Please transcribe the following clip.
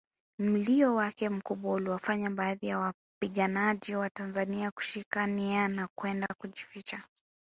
Mlio wake mkubwa uliwafanya baadhi ya wapiganaji watanzania kushika nia na kwenda kujificha